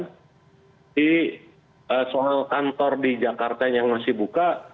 jadi soal kantor di jakarta yang masih buka